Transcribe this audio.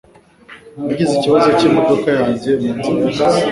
Nagize ikibazo cyimodoka yanjye munzira y'akazi.